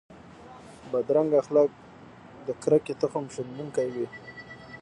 بدرنګه اخلاق د کرکې تخم شندونکي وي